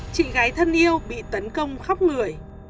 chị gái thân yêu bị tấn công khóc lười